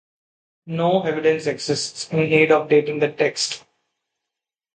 No evidence exists in aid of dating the text.